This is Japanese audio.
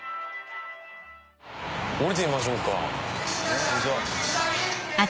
降りてみましょうか。